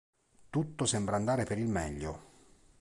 Tutto sembra andare per il meglio.